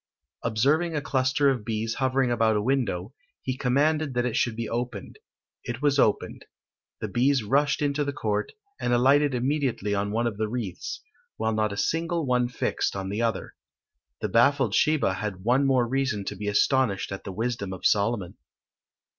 Observing a cluster of bees hovering about a window, he commanded that it should be opened: it was opened; the bees rushed into the court, and alighted immediately on one of the wreaths, while not a single one fixed on the other. The baffled Sheba had one more reason to be astonished at the wisdom of Solomon.